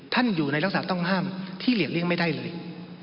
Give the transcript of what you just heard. ท่านอยู่ในรักษาต้องห้ามที่เรียกเลี่ยงไม่ได้เลย